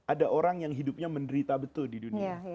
ada orang yang hidupnya menderita betul di dunia